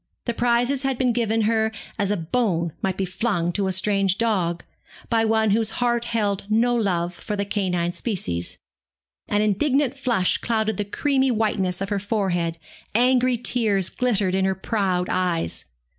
The prizes had been given her as a bone might be flung to a strange dog, by one whose heart held no love for the canine species. An indignant flush clouded the creamy whiteness of her forehead, angry tears glittered in her proud eyes.